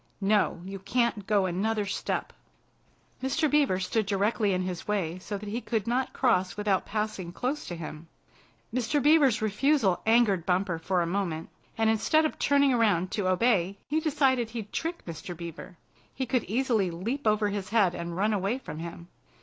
"No, you can't go another step." Mr. Beaver stood directly in his way so he could not cross without passing close to him. Mr. Beaver's refusal angered Bumper for a moment, and instead of turning around to obey he decided he'd trick Mr. Beaver. He could easily leap over his head and run away from him.